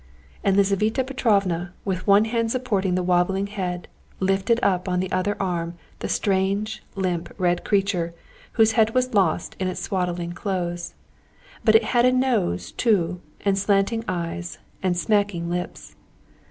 And Lizaveta Petrovna, with one hand supporting the wobbling head, lifted up on the other arm the strange, limp, red creature, whose head was lost in its swaddling clothes. But it had a nose, too, and slanting eyes and smacking lips.